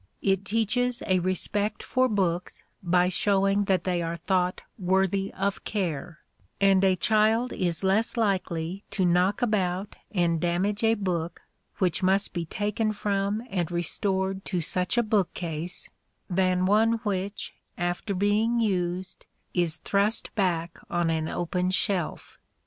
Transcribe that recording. It teaches a respect for books by showing that they are thought worthy of care; and a child is less likely to knock about and damage a book which must be taken from and restored to such a bookcase, than one which, after being used, is thrust back on an open shelf.